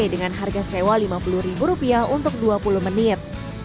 dengan harga sewa rp lima puluh untuk dua puluh menit